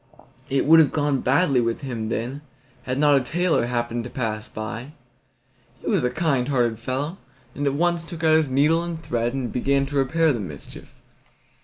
It would have gone badly with him then, had not a tailor happened to pass by. He was a kind hearted fellow, and at once took out his needle and thread and began to repair the mischief.